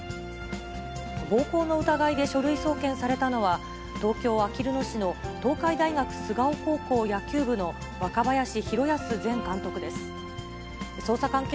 暴行の疑いで書類送検されたのは、東京・あきる野市の東海大学菅生高校野球部の若林弘泰前監督です。